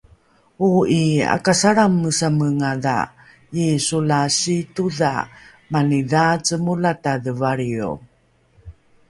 Oo'i akasalramesamengdha Yisu la siitodha mani dhaace molatadhe valriyo